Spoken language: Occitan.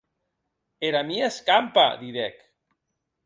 Era mia escampa, didec.